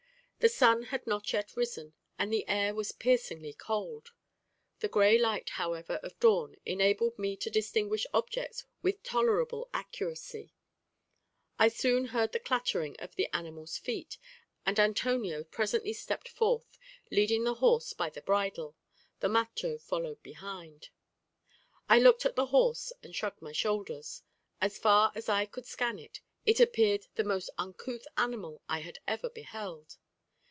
The sun had not yet risen, and the air was piercingly cold; the gray light, however, of dawn enabled me to distinguish objects with tolerable accuracy; I soon heard the clattering of the animal's feet, and Antonio presently stepped forth, leading the horse by the bridle; the macho followed behind. I looked at the horse, and shrugged my shoulders. As far as I could scan it, it appeared the most uncouth animal I had ever beheld.